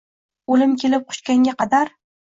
Oʼlim kelib quchganga qadar